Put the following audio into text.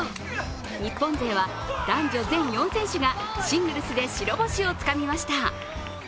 日本勢は男女全４選手がシングルスで白星をつかみました。